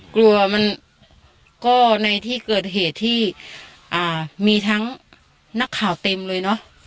กลัวมันก็ในที่เกิดเหตุที่มีทั้งนักข่าวเต็มเลยเนอะ